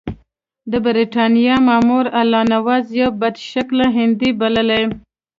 د برټانیې مامور الله نواز یو بدشکله هندی بللی.